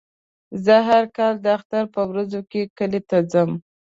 زه هر کال د اختر په ورځو کې کلي ته ځم.